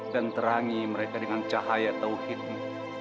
dan terangi mereka dengan cahaya tauhidmu